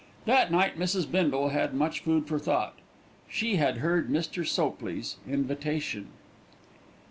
That night Mrs. Bindle had much food for thought. She had heard Mr. Sopley's invitation.